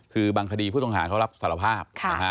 คือบางคดีผู้ต้องหาเขารับสารภาพ